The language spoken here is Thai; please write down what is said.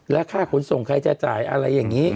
แล้วค่าขนส่งใครจะจ่ายอะไรอย่างนี้